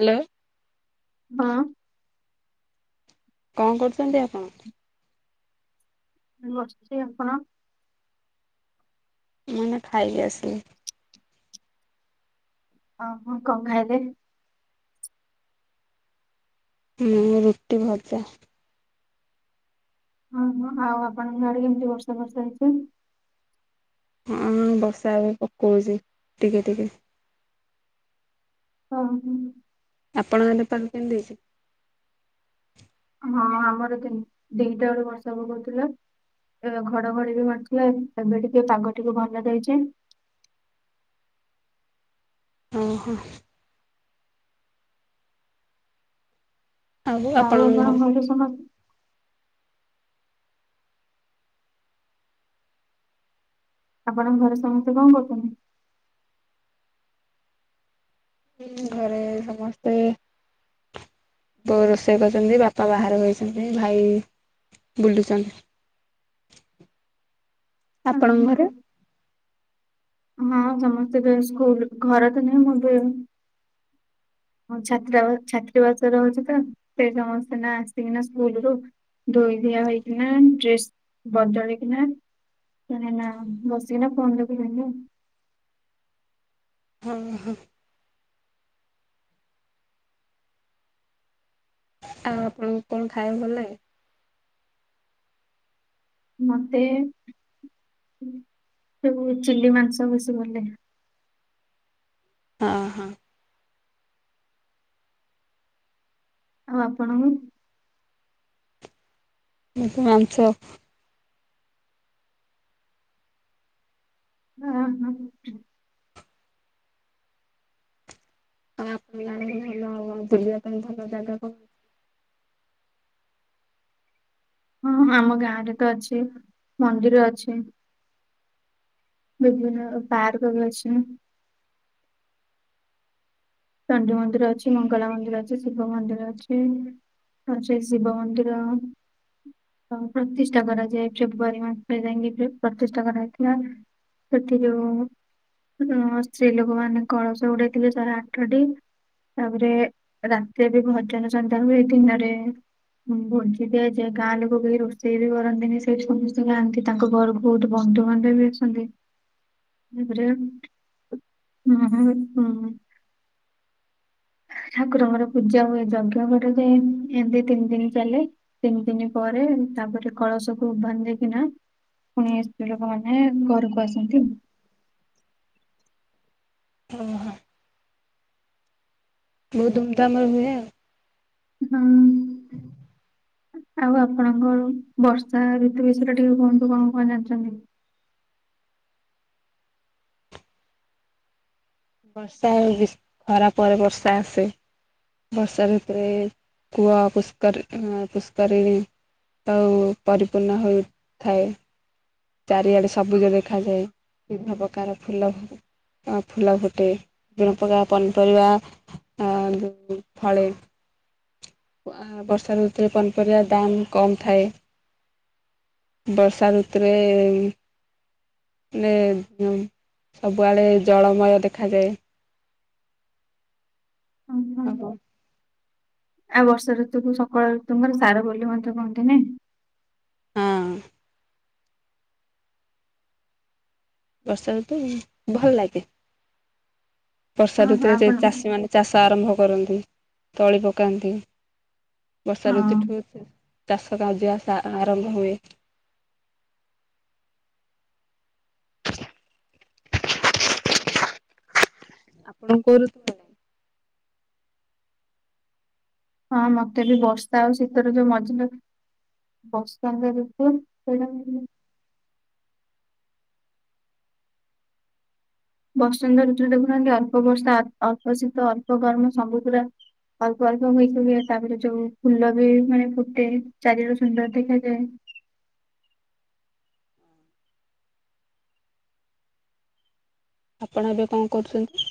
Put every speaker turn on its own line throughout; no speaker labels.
Hello.
ହଁ।
କଁ କରୁଚନ୍ତି ଆପଣ?
ବସ୍ଚି। ଆପଣ
ମାନେ ଖାଇକି ଆସିଲି।
ଓ ହୋ କଁ ଖାଇଲେ?
ମୁଁ ରୁଟି ଭଜା।
ଓ ହୋ ଆଉ ଆପଣଙ୍କ ଆଡ଼େ କେମିତି ବର୍ଷା ଫର୍ଷା ହେଇଛି।
ହଁ ବର୍ଷା ପକଉଛି ଟିକେ ଟିକେ।
ହଁ ହଁ।
ଆପଣଙ୍କ ପାଗ କେମିତି ଅଛି?
ହଁ ଆମର ଦିଟା ବେଳୁ ବର୍ଷା ପକଉଥିଲା। ଘଡଘଡି ବି ମାରିଥିଲେ ଏବେ ଟିକେ ପାଗ ତିକ ଭଲ ଦେଇଛେ।
ଓହୋ।
ଆଉ ଆପଣ ଘରେ ସମସ୍ତ ଆପଣଙ୍କ ଘରେ ସମସ୍ତେ କଣ କରୁଛନ୍ତି?
ହୁଁ ଘରେ ସମସ୍ତେ ବୋ ରୋଷେଇ କରିଛନ୍ତି ବାପା ବାହାର ହୋଇଛନ୍ତି ଭାଇ ବୁଲୁଛନ୍ତି।
[unintelligible] ଅହଁ,
ଆପଣଙ୍କର ଘରେ?
ହଁ ସମସ୍ତେ ବି ସ୍କୁଲ ଘରେ ତ ନହି ମୁଁ ବି। ହଁ ଛାତା ଛାତ୍ରୀବାସ ରହୁଛି ତ। ସେ ସମସ୍ତେ ନା ଆସିକିନା ସ୍କୁଲରୁୁ ଧୋଇ ଦିଆ ହେଇକି ନା ଡ୍ରେସ ବଦଳେଇକନା। କ ନା ବସିକିନା ଫୋନ ଦେଖୁଥିଲୁ।
ହଁ ହଁ। ଆଉ ଆପଣଙ୍କୁ କଣ ଖାଇବାକୁ ଲାଗେ?
ମତେ ଯୋଉ ଚିଲି ମାଂସ ବେଶି ଗଲେ।
ହଁ ହଁ।
ଆଉ ଆପଣଙ୍କୁ?
ମୋତେ ମାସଂ
ହଁ ହଁ।
କ ଭଲ ଆଉ ବୁଲିବା ପାଇଁ ଭଲ ଜାଗା କହୁ
ହଁ ଆମ ଗାଁ ରେ ତ ଅଛି ମନ୍ଦିର ଅଛି। ବି ପାର୍ କ ବ ଅଛି। ଚଣ୍ଡ ମନ୍ଦିର ଅଛି ମଙ୍ଗଳା ମନ୍ଦିର ଅଛି ଶିବ ମନ୍ଦିର ଅଛି। ଆଛି ଶିବ ମନ୍ଦିର। ପ୍ରତିଷ୍ଠା କରାଯାଏ ଫେବୃଆାରୀ ମାସ ପରେ ଯାଇକି ପ୍ରତିଷ୍ଠା କରାଯାଇଥିବା। ସେଠି ଯୋଉ ଅ ସ୍ତ୍ରୀ ଲୋକମାନେ କଳସ ଉଡେଇଥିଲେ ଶହେ ଆଠଟି ତାପରେ ରାତିରେ ବି ଭଜନ ସନ୍ତାନ ହୁଏ ଦିନରେ ହଁ ଭୋଜି ଦିଆଯାଏ ଗାଁ ଲୋକ କେହି ରୋଷେଇ ବି କରନ୍ତିନି ସେଇଠି ସମସ୍ତେ ଖାଆନ୍ତି। ତାଙ୍କ ଘର ବହୁତ ବନ୍ଧୁବାନ୍ଧବ ବି ଅଛନ୍ତି। ତାପରେ ହଁ ହୁଁ। ଠାକୁରଙ୍କର ପୂଜା ହୁଏ ଯଜ୍ଞ କରାଯାଏ ଏମିତି ତିନି ଦିନ ଚାଲେ। ତିନି ଦିନି ପରେ ତାପରେ କଳସକୁ ବାନ୍ଧେଇିକିନା। ପୁଣି ସ୍ତ୍ରୀ ଲୋକମାନେ ଘରକୁ ଆସନ୍ତି।
ଓହୋ। ବହୁତ ଧୁମଧାମରେ ହୁଏ ଆଉ।
ହଁ। ଆଉ ଆପଣଙ୍କର ବର୍ଷା ଋତୁ ବିଷୟରେ ଟିକେ କୁହନ୍ତୁ କଣ କଣ ଜାଣିଚନ୍ତି?
ବର୍ଷା ହେଉଚି ଖରା ପରେ ବର୍ଷା ଆସେ। ବର୍ଷା ଋତୁରେ କୁଅ ପୁଷ୍କରି ପୁଷ୍କରିଣୀ ତଉ ପରିପୂର୍ଣ୍ଣ ହୋଇ ଥାଏ। ଚାରିଆଡେ ସବୁଜ ଦେଖାଯାଏ ବିଭିନ୍ନ ପ୍ରକାର ଫୁଲ ଫୁଲ ଫୁଟେ ଵିପୁଳ ପନିପରିବା ଫଳେ। ବର୍ଷା ଋତୁରେ ପନପରିବା ଦାମ୍ କମ୍ ଥାଏ। ବର୍ଷା ଋତୁରେ ଏ ହେଲେ ସବୁଆଡ଼େ ଜଳମୟ ଦେଖାଯାଏ।
ହଁ ମ୍।
[inaudible]
ଆଉ ବର୍ଷା ଋତୁକୁ ସକଳ ଋତୁରଙ୍କ ସାର ବୋଲି ମଧ୍ୟ କହନ୍ତି ନେହିଁ।
ହଁ। ବର୍ଷା ଋତୁ ଭଲ ଲାଗେ ବର୍ଷା
ହଁ
ଋତୁରେ
ଆପଣ
ଯୋଉ ଚାଷୀ ମାନେ ଚାଷ ଆରମ୍ଭ କରନ୍ତି ତଳି ପକାନ୍ତି। ବର୍ଷା ଋତୁ
ହଁ
ଠୁ ଚାଷ କାର୍ଯ ଆରମ୍ଭ ହୁଏ। ଆପଣ କୋଉ ଋତୁ ଲାଗେ?
ହଁ ମତେ ବି ବର୍ଷା ଆଉ ଶୀତଋତୁ ମଝିରେ ବର୍ସନ୍ତ ଋତୁ ସେଇଟା ଭଲଲାଗେ। ବର୍ସନ୍ତ ଋତରେ ଦେଖୁନାହାନ୍ତି ଅଳ୍ପ ବର୍ଷା ଅଳ୍ପ ଶୀତ ଅଳ୍ପ ଗରମ ସବୁପୁରା ଅଳ୍ପ ଅଳ୍ପହୁଇକିହୁଏ ତାପରେ ଯୋଉ ଫୁଲ ବି ମାନେ ଫୁଟେ ଚାରିଆଡେ ସୁନ୍ଦର ଦେଖାଯାଏ।
ଆପଣ ଏବେ କଣ କରୁଛନ୍ତି?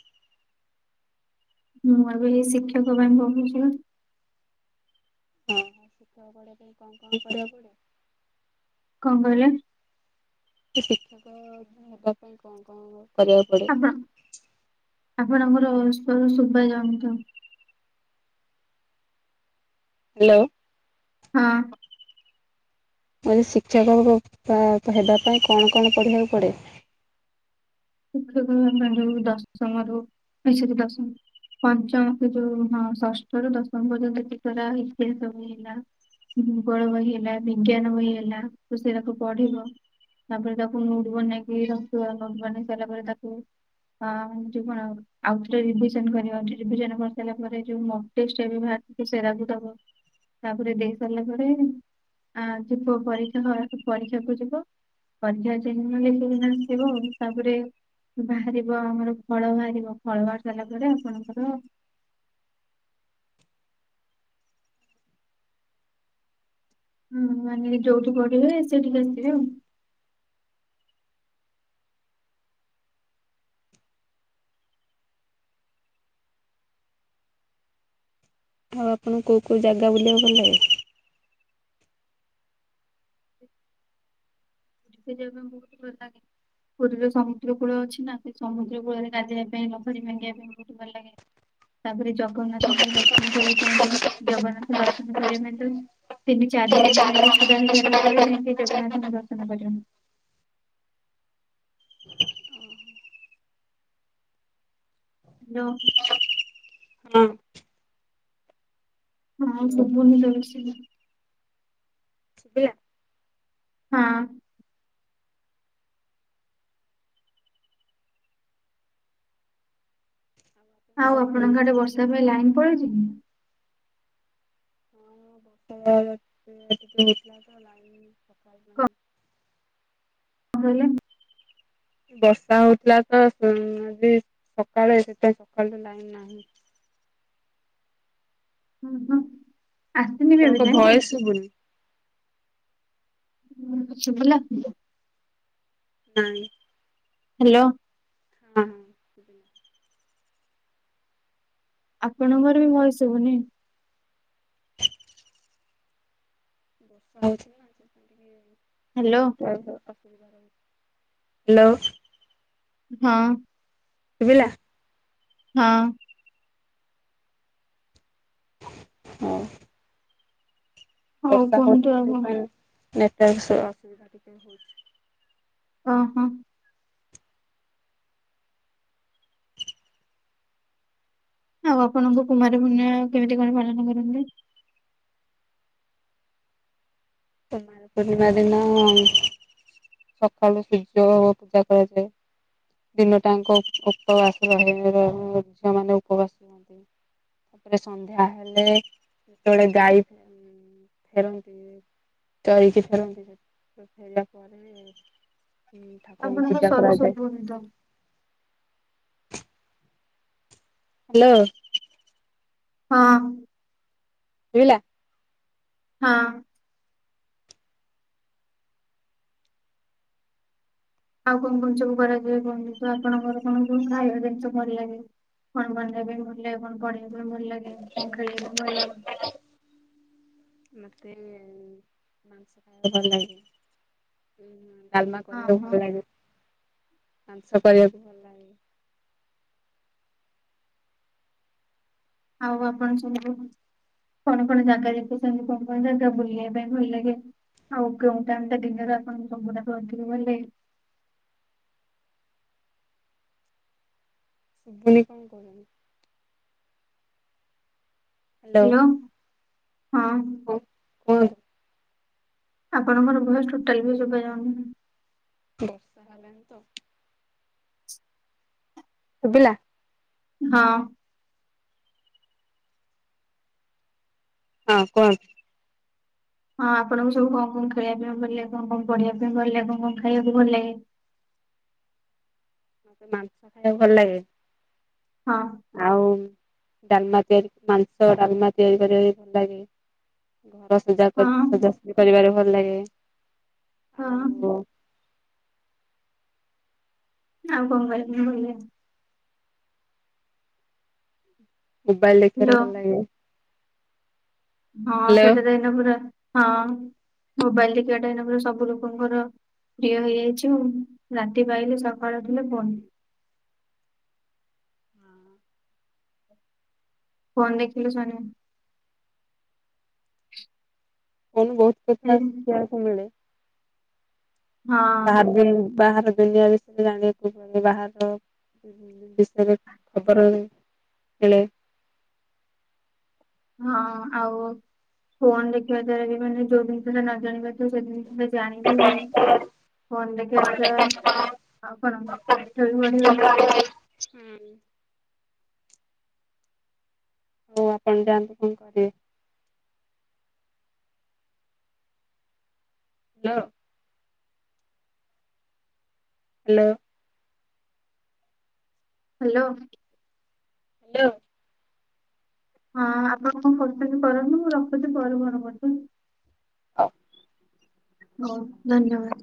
ମୁଁ ଏବେ ଏଇ ଶିକ୍ଷକ ପାଇଁ ପଡ଼ୁଚି।
ଶିକ୍ଷକ ପଢିବା ପାଇଁ କଣ କଣ କରିବାକୁ ପଡିବ?
କଣ କହିଲେ?
କି ଶିକ୍ଷକ ହେବା ପାଇଁ କଣ କଣ କରିବାକୁ ପଡିବ?
ବା ଆପଣଙ୍କର ସ୍ୱରଶୁପରେ ରହନ୍ତୁ।
ହାଲୋ।
ହଁ।
ଜଣେ ଶିକ୍ଷକ ହବତା ହେବା ପାଇଁ କଣ କଣ ପଢ଼ିବାକୁ ପଡ଼େ?
ଶିକ୍ଷକ ହବାପାଇଁ ଯୋଉ ଦଶମ ରୁ ନାଇ ସରି ଦଶମ ପଞ୍ଚମ ରୁ ଯୋଉ ହଁ ଷଷ୍ଠ ରୁ ଦଶମ ପର୍ଯ୍ୟନ୍ତ ହିଟ୍ରି ସବୁ ହେଲା। ଭୂଗୋଳ ବହି ହେଲା ବିଜ୍ଞାନ ବହି ହେଲା ତ ସେଇରାକୁ ପଢିବ। ତାପରେ ତାକୁ ନୋଟ ବନେଇକି ରଖିବ ନୋଟ ବନେଇ ସାରିଲା ପରେ ତାକୁ ହଁ ଟିପଣା। ଆଉଥରେ ରିଭିଜନ କରିବ ରିଭିଜନ କରିସାରିଲା ପରେ ଯୋଉ ମକ୍ ଟେଷ୍ଟେ ଏବେ ବାହାରିଛି ସେରା କୁ ଦବ। ତାପରେ ଦେଇ ସାରିଲା ପରେ ଆ ଯିବ ପରୀକ୍ଷା ପରୀକ୍ଷାକୁ ଯିବ। ପରୀକ୍ଷାରେ ସେଦିନ ଲେଖିକି ନା ଆସିବ ତା ତାପରେ ବାହାରିବ ଆମର ଫଳ ବାହାରିବ ଫଳ ବାହାରି ସାରିଲା ପରେ ଆପଣଙ୍କର ହୁଁ ମାନେ ଯୋଉଠି ପଢିବେ ସେଠିକି ଆସିବେ ଆଉ।
ଆଉ ଆପଣ କୋଉ କୋଉ ଜାଗା ବୁଲିବାକୁ ଗଲେ?
ପୁରୀକୁ ଯିବା ପାଇଁ ବହୁତ ଭଲ ଲାଗେ। ପୁରୀର ସମୁଦ୍ର କୂଳ ଅଛି ନା ସେ ସମୁଦ୍ର କୂଳରେ ଗାଧେଇବା ପାଇଁ ଲହରୀ ଭାଙ୍ଗିବା ପାଇଁ ବହୁତ ଭଲ ଲାଗେ। ତାପରେ ଜଗନ୍ନାଥଙ୍କୁ ବି ଦର୍ଶନ କରିବା ପାଇଁ ପାଇଁ ଜଗନ୍ନାଥ ଦର୍ଶନ କରିବା ପାଇଁ ତ ତିନି ଚାରି ଘଣ୍ଟା ଯାଇକି ଛିଡା ହେଇସାରିଲା ପରେ ଯାଇକି ଜଗନ୍ନାଥଙ୍କୁ ଦର୍ଶନ କରିବ। ହାଲୋ।
ହଁ
ହଁ
ହ୍ୟାଲୋ
ସବୁନି ଲୋ କିଛି।
ସୁବିଲା।
ହଁ। ଆଉ ଆପଣଙ୍କ ଆଡେ ବର୍ଷା ପାଇଁ ଲାଇନ ପଳେଇଛି କି।
[unintelligible] [inaudible]
କଣ କଇଲେ।
ବର୍ଷା ହୋଉତୁଲାତ ଉଁ ସକାଳେ ସେତ ସକାଳୁ ଲାଇନ ନାହିଁ।
ହୁଁ ହୁଁ।
ଆପଣଙ୍କ ଭୟେସ ସୁବୁନି।
ହେଲା।
ନାହିଁ।
ହାଲୋ।
ହଁ।
ଆପଣଙ୍କର ବି ଭଏସ ସୁବୁନି।
[unintelligible]
ହ୍ୟାଲୋ
ଏତ ହାଲୋ।
ହଁ।
ସୁଵିଲା।
ହଁ।
ହଁ।
ହଉ କୁହନ୍ତୁ ଆଉ କଣ?
[unintelligible]
ଅହ। ଆଉ ଆପଣଙ୍କୁ କୁମାରପୁର୍ଣିମା କେମିତି କଣ ପାଳନ କରନ୍ତି।
କୁମାର ପୂର୍ଣ୍ଣିମା ଦିନ ସକାଳୁ ସୂର୍ଯ୍ୟ ଓ ପୂଜା କରାଯାଏ। ଦିନ ଟାଙ୍କ ଉପବାସ ରହିବାରେ ଝିଅ ମାନେ ଉପବାସ ସନ୍ଧ୍ୟା ହେଲେ ଯେତେବେଳେ ଗାଈ ଫେରନ୍ତି ଚରିକି ଫେରନ୍ତି ସେ ଫେରିବା ପରେ ଠାକୁରଙ୍କୁ
ଆପଣଙ୍କ
ପୂଜା
ସରୁ
କରାଯାଏ।
ଶୁଭୁନି ତ
ହାଲୋ।
ହଁ।
ସୁଵିଲା।
ହଁ। ଆଉ କଣ କଣ ସବୁ କରାଯାଏ କୁହନ୍ତୁ ତ ଆପଣଙ୍କର କଣ କୋଉ ଖାଇବା ଜିନିଷ ଭଲ ଲାଗେ। କଣ ବନେଇ ଭଲ ଲାଗେ, କଣ ପଢେଇବା ପାଇଁ ଭଲ ଲାଗେ, କଣ ଖେଳିବା ପାଇଁ ଭଲ ଲାଗେ।
ମତେ ମାଂସ ଖାଇବାକୁ ଭଲ ଲାଗେ। ଡାଲମା
ହଁ
କରିବାକୁ
ହଁ
ଭଲ ଲାଗେ। ମାଂସ କରିବାକୁ ଭ
ଆଉ ଆପଣ ସମ ରୁ କଣ କଣ ଜାଗା ଦେଖିଚନ୍ତି, କଣ କଣ ଜାଗା ବୁଲିବା ପାଇଁ ଭଲ ଲାଗେ। ଆଉ କେଉ ଟାଇମ ଟା ଡିନ ର ଆପଣ ସବୁଠାରୁ ଅଧିକ ଭଲଲାଗେ।
[unintelligible] [inaudible]
ହାଲୋ ହଁ।
ହୋ ହୋଇ।
ଆପଣଙ୍କର ଭଏସ ଟୋଟାଲି ବି ସୁଭା ଯାଉନି।
ବର୍ଷା ହେଲାଣି ତ ଶୁବିଲା
ହଁ
ହଁ କୁହନ୍ତୁ।
ହଁ ଆପଣଙ୍କୁ ସବୁ କଣ କଣ ଖେଳିବା ପାଇଁ ଭଲ ଲାଗ? କଣ କଣ ପଢିବା ପାଇଁ ଭଲ ଲାଗେ? କଣ କଣ ଖାଇବାକୁ ଭଲ ଲାଗେ?
ମତେ ମାଂସ ଖାଇବାକୁ ଭଲ ଲାଗେ।
ହଁ
ଆଉ ଡାଲମା ତିଆରି ମାଂସ ଡାଲମା ତିଆରି କରିବା ବି ଭଲ ଲାଗେ। ଘର ସଜା କରି
ହଁ
ସଜାସଜି କରିବାରେ ଭଲ ଲାଗେ,
ହଁ
ଆଉ
ଆଉ କଣ। [unintelligible]
ମୋବାଇଲ ଦେଖାବାରେ,
ହ୍ୟାଲୋ
ଭଲ ଲାଗେ।
ହଁ
ହ୍ୟାଲୋ
ସେଟା ତ ଏଇନା ପୁରା ହଁ ମୋବାଇଲ ଦେଖିବା ଟା ଏଇନା ପରା ସବୁ ଲୋକଙ୍କର ପ୍ରିୟ ହେଇଯାଇଛୁ ରାତି ପାହିଲେ ସକାଳୁ ଉଠିଲେ ଫୋନ୍। ଫୋନ୍ ଦେଖିଲେ ଶୁଣିବୁ।
ଆଉ ବହୁତ
ହଁ
କଥା ଶିଖିବାକୁ ମିଳେ। ବାହା
ହଁ
ହେବି ବାହାର ଦୁନିଆ ରେ। [unintelligible] ଜାଣିବାକୁ ବାହାର ବିଷୟରେ ଖବର ମିଳେ। [unintelligible]
ହଁ ଆଉ ଫୋନ୍ ଦେଖିବା ଦ୍ଵାରା ଜୀବନରେ ଯୋଉ ଜିନିଷଟା ନ ଜାଣି ପାରୁଥିବ ସେ ଜିନି ଷ ଜାଣିବୁ ଫୋନ୍ ଦେଖିବା ଦ୍ଵାରା ଆଉ କଣ ପାଠ ବି ପଢି ହୁଏ।
ହୁଁ ହଉ ଆପଣ ଯାଆନ୍ତୁ କଣ କରିବେ। Hello hello.
ହାଲୋ।
ହାଲୋ
ହଁ ଆପଣ କଣ କରୁଛନ୍ତି କରନ୍ତୁ ମୁଁ ରଖୁଛି ପରେ ଫୋନ୍ କରୁଛି।
ଓ
ହଉ ଧନ୍ୟବାଦ।